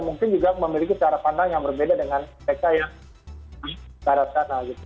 mungkin juga memiliki cara pandang yang berbeda dengan mereka yang dihadapkan